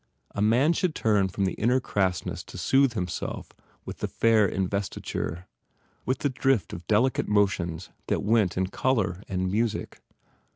A man should turn from the inner crassness to soothe himself with the fair investiture, with the drift of delicate motions that went in colour and music.